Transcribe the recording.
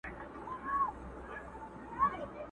بیا میندل یې په بازار کي قیامتي وه!.